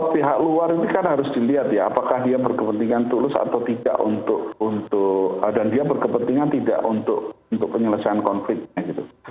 pihak luar ini kan harus dilihat ya apakah dia berkepentingan tulus atau tidak untuk dan dia berkepentingan tidak untuk penyelesaian konfliknya gitu